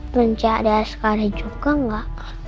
mencip adaiskara juga gak